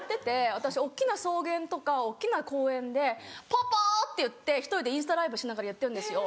私大っきな草原とか大っきな公園で「ポポ！」って言って１人でインスタライブしながらやってるんですよ。